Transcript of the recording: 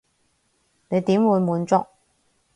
你點會滿足？